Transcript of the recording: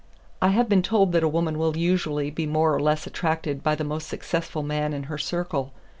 "I have been told that a woman will usually be more or less attracted by the most successful man in her circle.